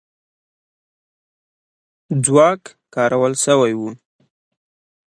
ځواک کارول سوی وو.